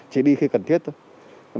chỉ đi khi cần thiết thôi